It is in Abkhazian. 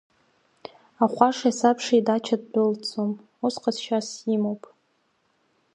Ахәашеи асабшеи идача ддәылҵӡом, ус ҟазшьас имоуп…